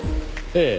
ええ。